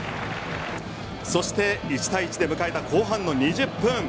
そして１対１で迎えた後半の２０分。